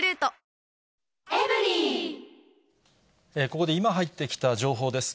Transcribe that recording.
ここで今入ってきた情報です。